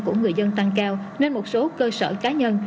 của người dân tăng cao nên một số cơ sở cá nhân